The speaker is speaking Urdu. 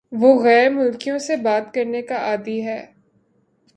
وہ غیر ملکیوں سے بات کرنے کا عادی ہے